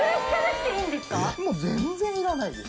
もう全然いらないです。